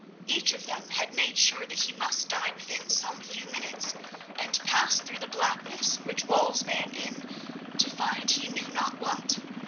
Each of them had made sure that he must die within some few minutes, and pass through the blackness which walls man in, to find he knew not what.